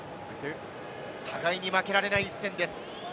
互いに負けられない一戦です。